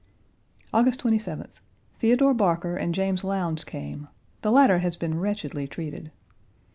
August 27th. Theodore Barker and James Lowndes came; the latter has been wretchedly treated.